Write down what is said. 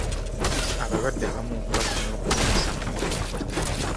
Abalwadde abamu bafuna okumyansa mu mubiri.